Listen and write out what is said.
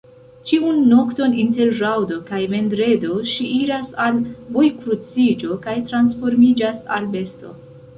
Ĉiun nokton inter ĵaŭdo kaj vendredo, ŝi iras al vojkruciĝo kaj transformiĝas al besto.